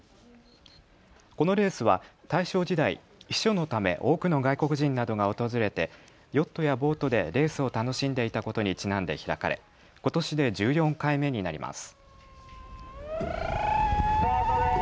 このレースは大正時代、避暑のため多くの外国人などが訪れてヨットやボートでレースを楽しんでいたことにちなんで開かれ、ことしで１４回目になります。